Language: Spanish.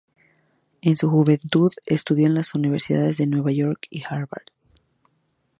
En su juventud estudió en las universidades de Nueva York y Harvard.